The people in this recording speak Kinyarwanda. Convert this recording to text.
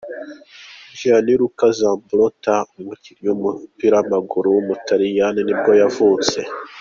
Gianluca Zambrotta, umukinnyi w’umupira w’amaguru w’umutaliyani nibwo yavutse.